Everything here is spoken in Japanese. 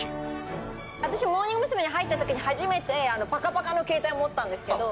私モーニング娘。に入った時に初めてパカパカの携帯を持ったんですけど。